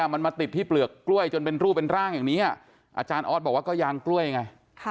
มันมาติดที่เปลือกกล้วยจนเป็นรูปเป็นร่างอย่างนี้อาจารย์ออสบอกว่าก็ยางกล้วยไง